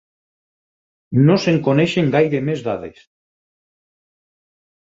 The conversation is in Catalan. No se'n coneixen gaire més dades.